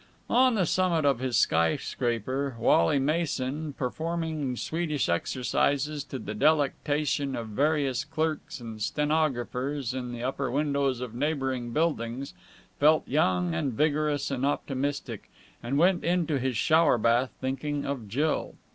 On the summit of his sky scraper, Wally Mason, performing Swedish exercises to the delectation of various clerks and stenographers in the upper windows of neighbouring buildings, felt young and vigorous and optimistic, and went in to his shower bath thinking of Jill.